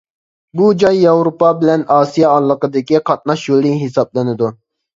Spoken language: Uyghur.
بۇ جاي ياۋروپا بىلەن ئاسىيا ئارىلىقىدىكى قاتناش يولى ھېسابلىنىدۇ.